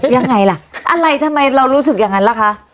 ยังไงล่ะอะไรทำไมเรารู้สึกอย่างนั้นล่ะคะ